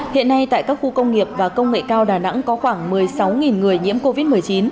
hiện nay tại các khu công nghiệp và công nghệ cao đà nẵng có khoảng một mươi sáu người nhiễm covid một mươi chín